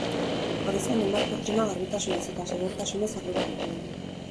Horrez gain, hainbat pertsona garbitasunaz eta segurtasunaz arduratuko dira.